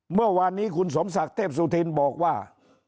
เมื่อวานนี้คุณสมศักดิ์เทพสุธินบอกว่า